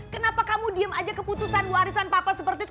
kenapa kamu diem aja keputusan warisan papa seperti itu